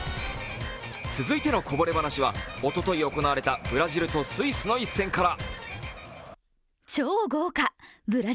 続いてのこぼれ話は、おととい行われたブラジルとスイスの一戦から。